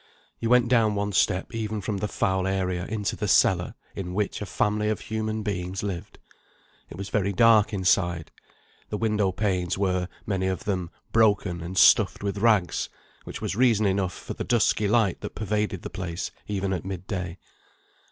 You went down one step even from the foul area into the cellar in which a family of human beings lived. It was very dark inside. The window panes were, many of them, broken and stuffed with rags, which was reason enough for the dusky light that pervaded the place even at mid day.